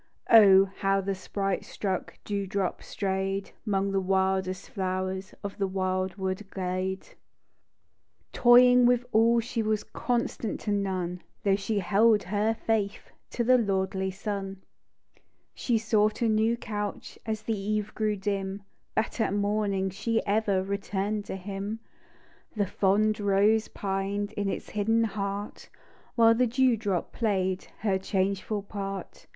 0, how the sprite struck Dew drop stray'd Along the wildest flow'rs Of the wild wood glade ! Toying with all, She was constant to none ; Though she held her faith To the lordly sun. THE DEW DROP. She sought a new couch As the eve grew dim, But at morning she ever Returned to him. The fond rose pined In its hidden heart While the dew drop play'd Her changeful part.